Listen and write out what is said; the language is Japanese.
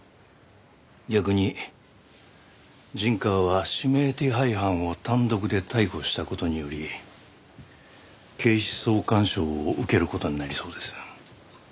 逆に陣川は指名手配犯を単独で逮捕した事により警視総監賞を受ける事になりそうです。